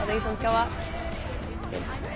はい。